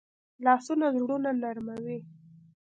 لاسونه زړونه نرموي